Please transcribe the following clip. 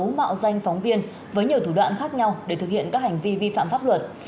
mạo danh phóng viên với nhiều thủ đoạn khác nhau để thực hiện các hành vi vi phạm pháp luật